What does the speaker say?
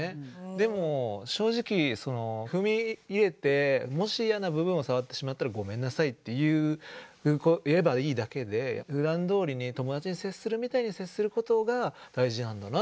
でも正直踏み入れてもし嫌な部分を触ってしまったら「ごめんなさい」って言えばいいだけでふだんどおりに友達に接するみたいに接することが大事なんだなって